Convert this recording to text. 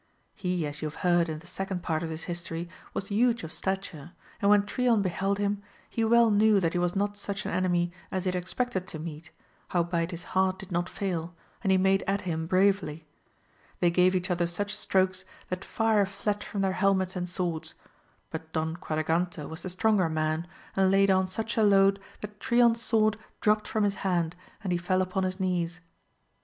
He as you have heard in the second part of this history was huge of stature, and when Trion beheld him, he well knew that he was not such an enemy as he had expected to meet, howbeit his heart did not fail, and he made at him bravely ; they gave each other such strokes that fire fled from their helmets and swords, but Don Quadragante was the stronger man, and laid on such a load, that Trion's sword dropt from his hand, and he feU upon his knees.